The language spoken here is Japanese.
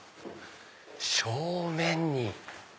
正面に。